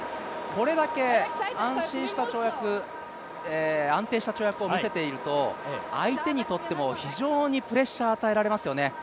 これだけ安心した跳躍、安定した跳躍を見せていると相手にとっても非常にプレッシャーを与えられますよね。